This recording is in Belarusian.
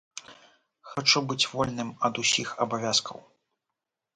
Хачу быць вольным ад усіх абавязкаў.